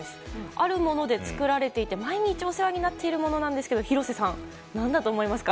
あるもので作られていて毎日お世話になっているものなんですが廣瀬さん、何だと思いますか？